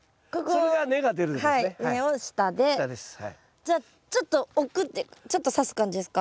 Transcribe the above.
じゃあちょっと置くっていうかちょっとさす感じですか？